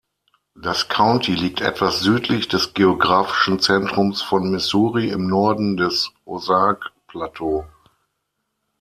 Das County liegt etwas südlich des geografischen Zentrums von Missouri im Norden des Ozark-Plateau.